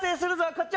こっち